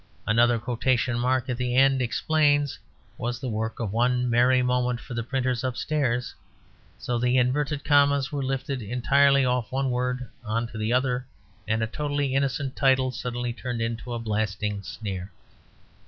Another quotation mark at the end of "explains" was the work of one merry moment for the printers upstairs. So the inverted commas were lifted entirely off one word on to the other and a totally innocent title suddenly turned into a blasting sneer.